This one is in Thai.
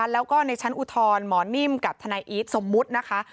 แล้วก็ในชั้นอุทธรณ์หมอนิ่มกับทนายอีทสมมุตินะคะ